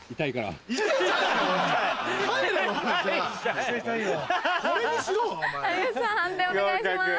判定お願いします。